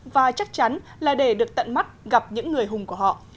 và chắc chắn là để được tận mắt gặp những người hùng của họ